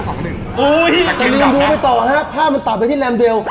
อย่าลืมดูไปต่อฮะภาพมันตัดไปที่แรมเบล